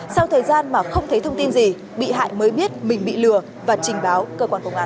sau thời gian mà không thấy thông tin gì bị hại mới biết mình bị lừa và trình báo cơ quan công an